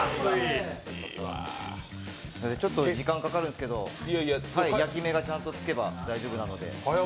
ちょっと時間がかかるんですけど、焼き目がちゃんとつけば大丈夫なので。